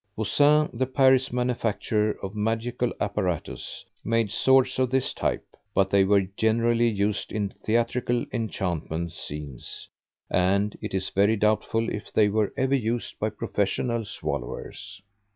Vosin, the Paris manufacturer of magical apparatus, made swords of this type, but they were generally used in theatrical enchantment scenes, and it is very doubtful if they were ever used by professional swallowers.